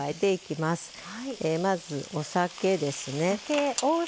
まず、お酒ですね。